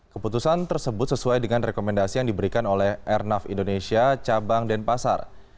keputusan tersebut sesuai dengan rekomendasi yang diberikan oleh airnaf indonesia cabang dan pasar